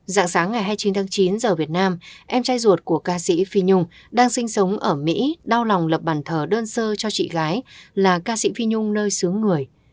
dạng sáng ngày hai mươi chín tháng chín giờ việt nam em trai ruột của ca sĩ phi nhung đang sinh sống ở mỹ đau lòng lập bàn thờ đơn sơ cho chị gái là ca sĩ phi nhung nơi xứ người